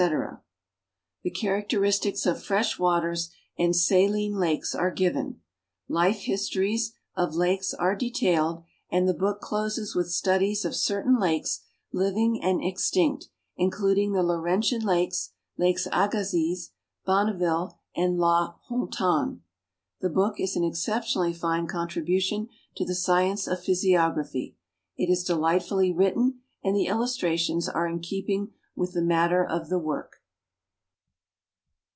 the character 410 NATIONAL GEOGRAPHIC SOCIETY istics of fresh waters and saline lakes are given, life histories of lakes are detailed, and the book doses with studies of certain lakes, living and extinct, including the Laurentian lakes, lakes Agassiz, Bonneville, and I>a Hontan. The book is an exceptionally fine contribution to the science of physiography. It is delightfully written and the illustrations are in keeping with the matter of the work.